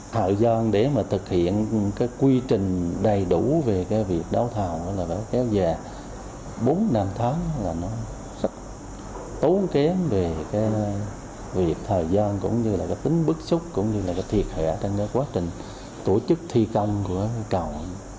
thời gian để thực hiện quy trình đầy đủ về việc đấu thầu là kéo dài bốn năm tháng là rất tố kém về việc thời gian cũng như tính bức xúc cũng như thiệt hệ trong quá trình tổ chức thi công của cầu